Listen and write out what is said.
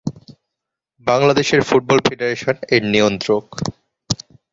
Bangladesh football federation এর নিয়ন্ত্রক।